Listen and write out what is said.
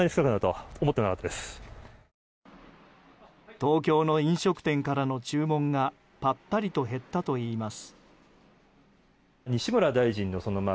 東京の飲食店からの注文がぱったりと減ったといいます。